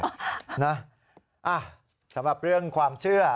สำหรับเรื่องความเชื่อ